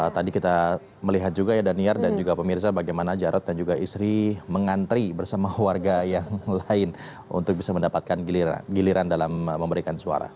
tadi kita melihat juga ya daniar dan juga pemirsa bagaimana jarod dan juga istri mengantri bersama warga yang lain untuk bisa mendapatkan giliran dalam memberikan suara